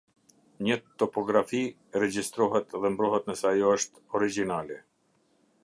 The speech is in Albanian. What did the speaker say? Një topografi regjistrohet dhe mbrohet nëse ajo është origjinale.